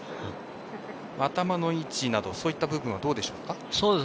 頭の位置などそういった部分はどうでしょうか？